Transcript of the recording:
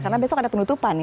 karena besok ada penutupan